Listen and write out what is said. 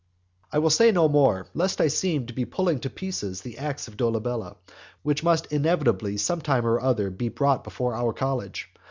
I will say no more, lest I should seem to be pulling to pieces the acts of Dolabella; which must inevitably sometime or other be brought before our college.